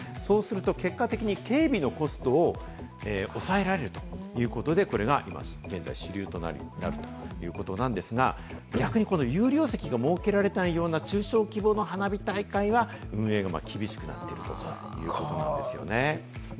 そうすると結果的に警備のコストを抑えられるということで、これが今現在、主流となるということなんですが、逆にこの有料席が設けられていないような中小規模の花火大会が、運営が厳しくなっているということなんですね。